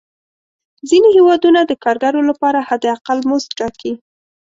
ځینې هېوادونه د کارګرو لپاره حد اقل مزد ټاکي.